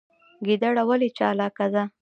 ګیدړه ولې چالاکه ده؟